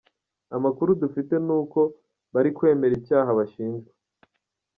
Amakuru dufite ni uko ko bari kwemera icyaha bashinjwa.